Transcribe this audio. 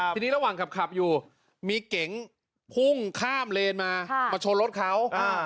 ทีนี้ระหว่างขับอยู่มีเก๋งพุ่งข้ามเลนมามาชนรถเขา